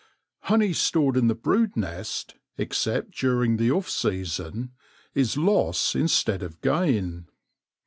Honey stored in the brood nest, except during the off season, is loss instead of gain.